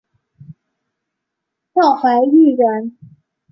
赵怀玉人。